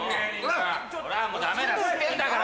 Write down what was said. ほらダメだっつってんだから。